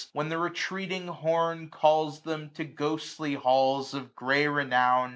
when the retreating horn Calls them to ghostly halls of grey renown.